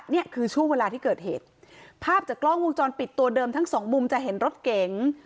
นี่คือช่วงเวลาที่เกิดเหตุภาพจากกล้องวงจรปิดตัวเดิมทั้งสองมุมจะเห็นรถเก๋ง